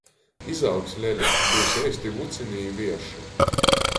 Izaugs leli — byus eisti vucyni i vierši.